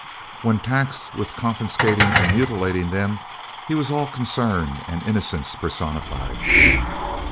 When taxed with confiscating and mutilating them, he was all concern and innocence personified.